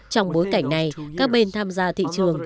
trong bối cảnh này các bên tham gia thị trường